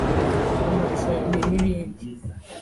amacumbi n’ibindi